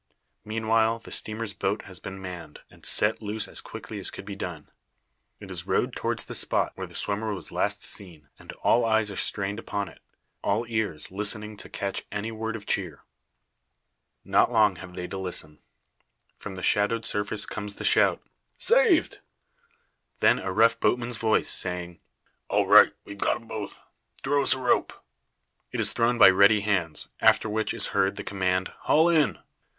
Meanwhile the steamer's boat has been manned, and set loose as quickly as could be done. It is rowed towards the spot, where the swimmer was last seen; and all eyes are strained upon it all ears listening to catch any word of cheer. Not long have they to listen. From the shadowed surface comes the shout, "Saved!" Then, a rough boatman's voice, saying: "All right! We've got 'em both. Throw us a rope." It is thrown by ready hands, after which is heard the command, "Haul in!"